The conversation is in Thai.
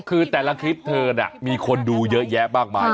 คือแต่ละคลิปเธอน่ะมีคนดูเยอะแยะมากมาย